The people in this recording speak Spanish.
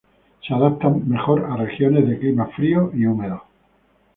Se adaptan mejor a regiones de climas fríos y húmedos.